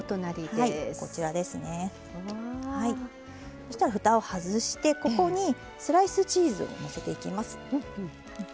そうしたらふたを外してここにスライスチーズをのせていきます。